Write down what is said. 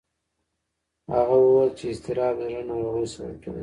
هغه وویل چې اضطراب د زړه ناروغیو سبب کېدی شي.